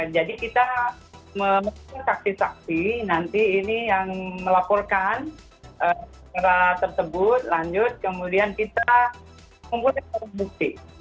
jadi kita meminta saksi saksi nanti ini yang melaporkan secara tersebut lanjut kemudian kita kumpulkan bukti